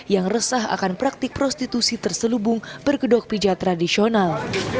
yang resah akan praktik prostitusi terselubung bergedok pijat tradisional